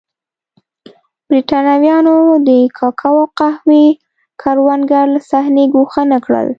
برېټانویانو د کوکو او قهوې کروندګر له صحنې ګوښه نه کړل.